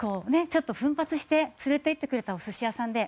ちょっと奮発して連れて行ってくれたお寿司屋さんで